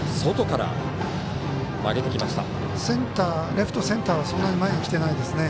レフト、センターはそんなに前に来てないですね。